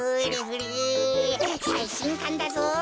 さいしんかんだぞ。